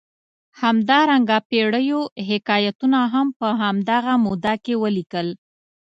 همدارنګه پېړیو حکایتونه هم په همدغه موده کې ولیکل.